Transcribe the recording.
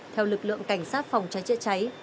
theo lực lượng cảnh sát phòng cháy cháy cháy